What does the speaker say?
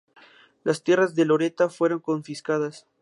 Las tierras de Loretta fueron confiscadas.